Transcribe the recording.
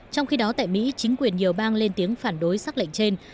trong khi đó tại mỹ chính quyền nhiều bang lên tiếng phản đối xác lệnh trên